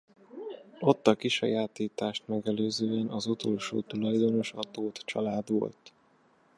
Ott a kisajátítást megelőzően az utolsó tulajdonos a Tóth család volt.